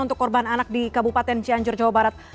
untuk korban anak di kabupaten cianjur jawa barat